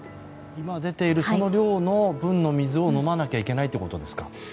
今出ている量の分の水を飲まなきゃいけないということですか？